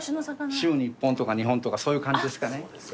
週に１本とか２本とかそういう感じですかね。